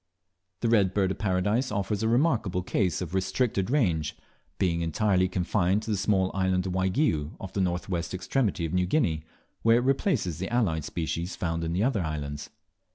The Red Bird of Paradise offers a remarkable case of restricted range, being entirely confined to the small island of Waigiou, off the north west extremity of New Guinea, where it replaces the allied species found in the other islands.